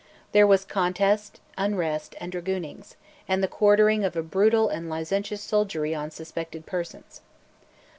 There was contest, unrest, and dragoonings, and the quartering of a brutal and licentious soldiery on suspected persons.